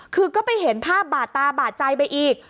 คือก็ไปเห็นภาพบาดตาบาดใจไปอีก